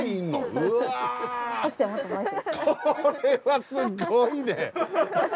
うわこれはすごいね。